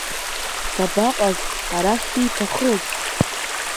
Дабаҟаз, арахь ииҭахыз?